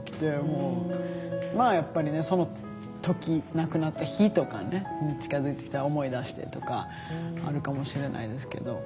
まあやっぱりねその時亡くなった日とか近づいてきたら思い出してとかあるかもしれないですけど。